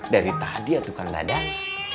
dari tadi ya itu kang dadang